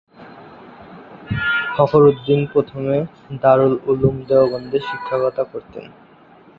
ফখরুদ্দিন প্রথমে দারুল উলূম দেওবন্দে শিক্ষকতা করতেন।